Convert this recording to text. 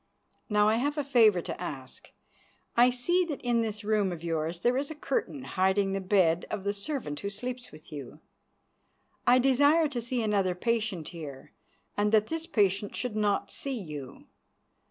Now I have a favour to ask. I see that in this room of yours there is a curtain hiding the bed of the servant who sleeps with you. I desire to see another patient here, and that this patient should not see you.